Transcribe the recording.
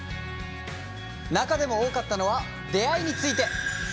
中でも多かったのは出会いについて。